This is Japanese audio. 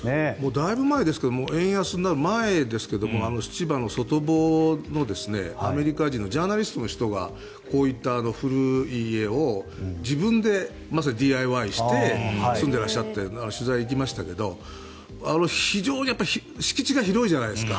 だいぶ前ですけど円安になる前ですけど千葉の外房のアメリカ人のジャーナリストの人がこういった古い家を自分でまさにＤＩＹして住んでらっしゃって取材に行きましたけど非常に敷地が広いじゃないですか。